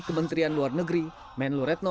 kementerian luar negeri menlu retno